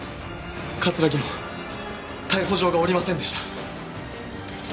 葛城の逮捕状が下りませんでした。